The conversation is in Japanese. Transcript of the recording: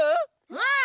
うん！